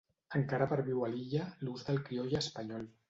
Encara perviu a l'illa l'ús del crioll espanyol.